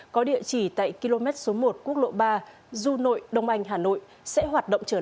có địa chỉ tại km số một quốc lộ ba du nội đông anh hà nội sẽ hoạt động trở lại